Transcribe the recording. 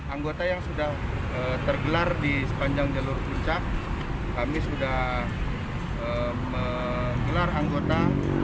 anggota yang sudah tergelar di sepanjang jalur puncak kami sudah menggelar anggota